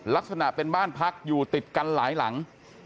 ลักษณะเป็นบ้านพักอยู่ติดกันหลายหลัง